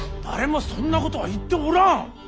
誰もそんなことは言っておらん。